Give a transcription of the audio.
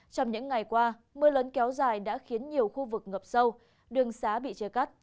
trong những ngày qua mưa lớn kéo dài đã khiến nhiều khu vực ngập sâu đường xá bị chia cắt